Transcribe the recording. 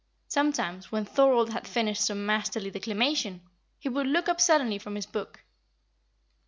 Sometimes, when Thorold had finished some masterly declamation, he would look up suddenly from his book.